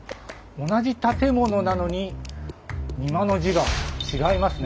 同じ建物なのに「にま」の字が違いますね。